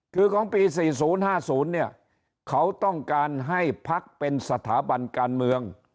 คือของปี๔๐๕๐เนี่ยเขาต้องการให้พักเป็นสถาบันการเมือง